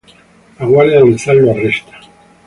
La guardia del zar lo arresta.